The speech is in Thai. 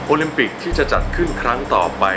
ลิมปิกที่จะจัดขึ้นครั้งต่อไป